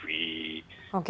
kemudian komunikasi kita butuh